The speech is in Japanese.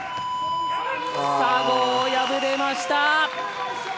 佐合敗れました。